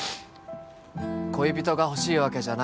恋人が欲しいわけじゃない。